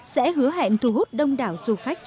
sẽ hứa hẹn thu hút đông đảo du khách